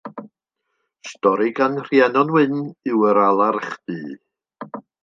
Stori gan Rhiannon Wyn yw Yr Alarch Du.